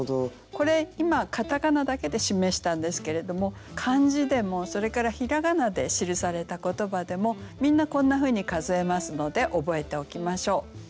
これ今カタカナだけで示したんですけれども漢字でもそれから平仮名で記された言葉でもみんなこんなふうに数えますので覚えておきましょう。